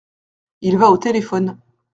Il va au téléphone.